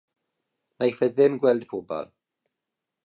Wnaiff e ddim gweld pobl.